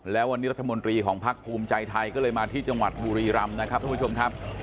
แล้ววันนี้รัฐมนตรีของพักภูมิใจไทยก็เลยมาที่จังหวัดบุรีรำนะครับทุกผู้ชมครับ